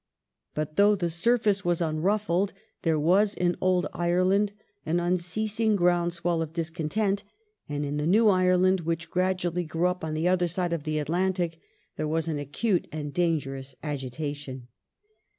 But though the surface was unruffled there was in old Ireland an unceasing ground swell of discontent, and in the new Ireland which gradually grew up on the other side of the Atlantic there was an acute and dangerous agitation.